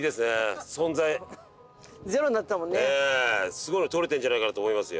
すごいの撮れてるんじゃないかなと思いますよ。